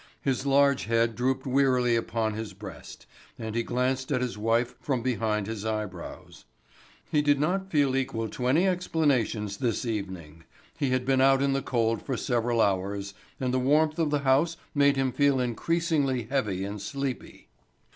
His large head drooped wearily upon his breast, and he glanced at his wife from beneath his eyebrows. He did not feel equal to any explanations this evening. He had been out in the cold for several hours, and the warmth of the house made him feel increasingly heavy and sleepy.